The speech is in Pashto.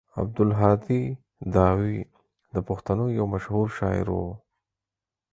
عبدالهادي داوي د پښتنو يو مشهور شاعر و.